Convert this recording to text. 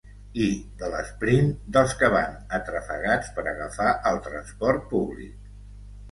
I de l’esprint dels que van atrafegats per agafar el transport públic.